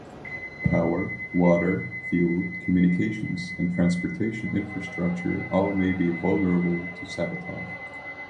Power, water, fuel, communications, and transportation infrastructure all may be vulnerable to sabotage.